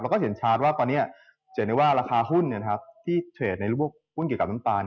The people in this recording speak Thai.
เราก็เห็นชาร์จว่าราคาหุ้นที่เทรดในร่วมหุ้นเกี่ยวกับน้ำตาล